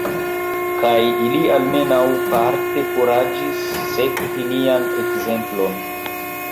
Kaj ili almenaŭ parte kuraĝis sekvi nian ekzemplon.